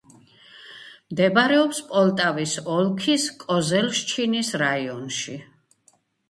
მდებარეობს პოლტავის ოლქის კოზელშჩინის რაიონში.